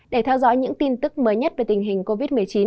để theo dõi những tin tức mới nhất về tình hình covid một mươi chín